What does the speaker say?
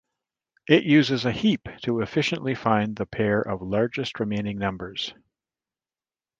It uses a heap to efficiently find the pair of largest remaining numbers.